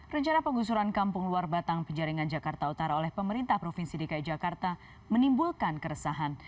rencana penggusuran kampung luar batang penjaringan jakarta utara oleh pemerintah provinsi dki jakarta menimbulkan keresahan